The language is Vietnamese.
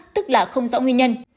tức là không rõ nguyên nhân